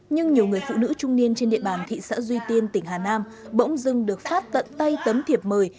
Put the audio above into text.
nhưng nhiều người phụ nữ trung niên trên địa bàn thị xã duy tiên tỉnh hà nam bỗng dưng được phát tận tay tấm thiệp mời